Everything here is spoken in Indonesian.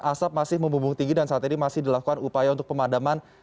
asap masih membumbung tinggi dan saat ini masih dilakukan upaya untuk pemadaman